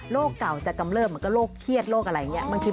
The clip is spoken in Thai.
เก่าจะกำเริบเหมือนกับโรคเครียดโรคอะไรอย่างนี้